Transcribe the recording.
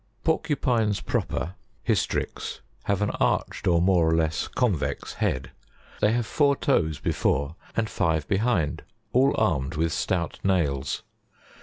56. PORCUPINES PROPER, Hystrix, have an arched or more or less convex head. They have four toes before and five be hind, all armed with stout nails.